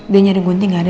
dia nyari gunting gak ada